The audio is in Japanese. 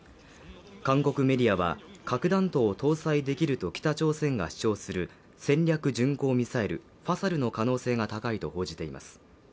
韓国メディアは核弾頭を搭載できると北朝鮮が主張する戦略巡航ミサイルファサルの可能性が高いと報じています